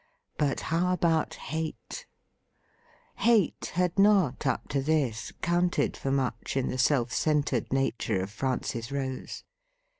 But how about hate ? Hate had not up to this counted for much in the self centred nature of Francis Rose.